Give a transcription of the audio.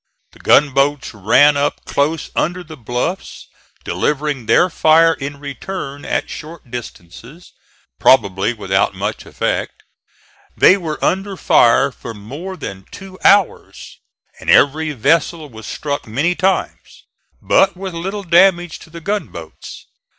The gunboats ran up close under the bluffs, delivering their fire in return at short distances, probably without much effect. They were under fire for more than two hours and every vessel was struck many times, but with little damage to the gunboats.